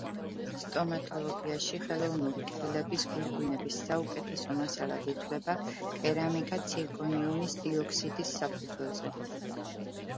სტომატოლოგიაში ხელოვნური კბილების გვირგვინების საუკეთესო მასალად ითვლება კერამიკა ცირკონიუმის დიოქსიდის საფუძველზე.